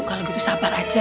kalau gitu sabar aja